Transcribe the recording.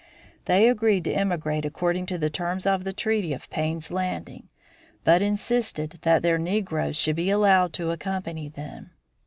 They agreed to emigrate according to the terms of the treaty of Payne's Landing, but insisted that their negroes should be allowed to accompany them.